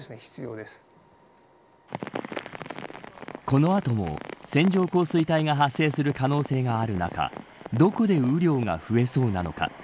この後も線状降水帯が発生する可能性がある中どこで雨量が増えそうなのか。